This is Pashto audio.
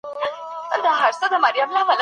که د خلګو شرف خوندي سي ټولنه به پرمختګ وکړي.